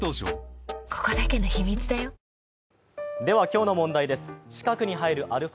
今日の問題です。